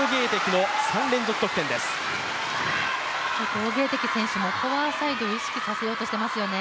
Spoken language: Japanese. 王ゲイ迪選手もフォアサイドを意識させようとしていますよね。